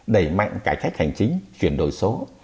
đẩy mạnh cải cách hành chính chuyển đổi số